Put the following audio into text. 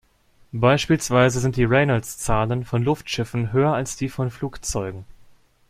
Beispielsweise sind die Reynolds-Zahlen von Luftschiffen höher als die von Flugzeugen.